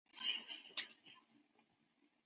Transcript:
美术训练包括实践和理论方面的指导。